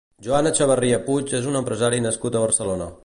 Joan Echevarria Puig és un empresari nascut a Barcelona.